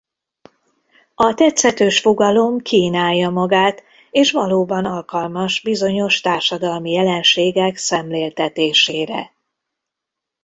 A tetszetős fogalom kínálja magát és valóban alkalmas bizonyos társadalmi jelenségek szemléltetésére.